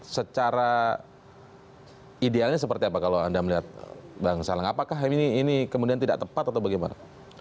secara idealnya seperti apa kalau anda melihat bang salang apakah ini kemudian tidak tepat atau bagaimana